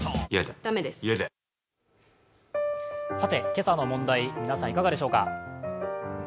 今朝の問題、皆さんいかがでしょうか？